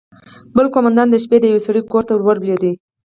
بل قومندان د شپې د يوه سړي کور ته ورولوېد.